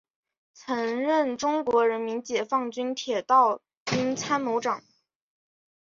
曾任中国人民解放军铁道兵参谋长。